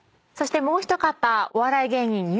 そしてもう一方お笑い芸人